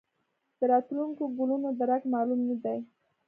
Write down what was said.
د راتلونکو کلونو درک معلوم نه دی.